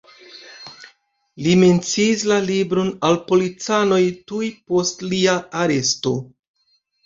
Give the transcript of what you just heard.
Li menciis la libron al policanoj tuj post lia aresto.